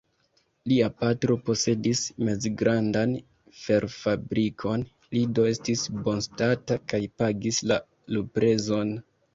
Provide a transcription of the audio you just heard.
Lia patro posedis mezgrandan ferfabrikon, li do estis bonstata kaj pagis la luprezon.